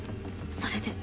それで。